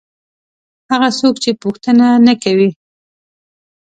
هغه څوک چې پوښتنه نه کوي.